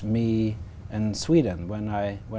một số vấn đề khó khăn